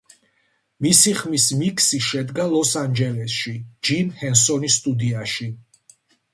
მისი ხმის მიქსი შედგა ლოს ანჯელესში, ჯიმ ჰენსონის სტუდიაში.